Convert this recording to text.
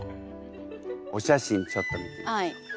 お写真ちょっと見てみましょう。